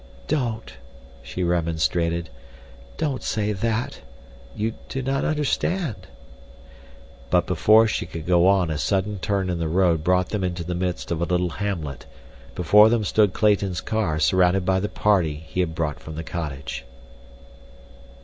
"Don't," she remonstrated. "Don't say that. You do not understand." But before she could go on a sudden turn in the road brought them into the midst of a little hamlet. Before them stood Clayton's car surrounded by the party he had brought from the cottage.